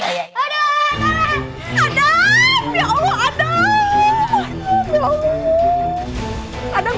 adam adam ya allah adam